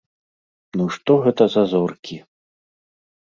Ну што гэта за зоркі!